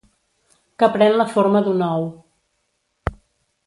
Que pren la forma d'un ou.